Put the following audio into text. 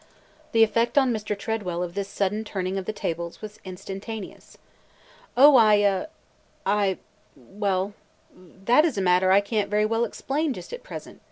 The effect on Mr. Tredwell of this sudden turning of the tables was instantaneous. "Oh, I – er – I – well, that is a matter I can't very well explain just at present!"